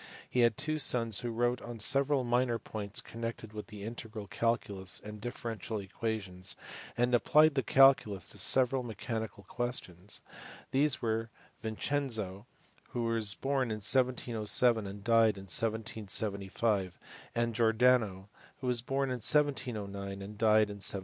He had two sons who wrote on several minor points connected with the integral calculus and differential equations, and applied the calculus to several mechanical questions : these were Vincenzo, who was born in 1707 and died in 1775, and Giordano, who was born in 1709 and died in 1790.